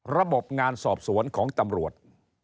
ระบบงานสอบสวนของตำรวจ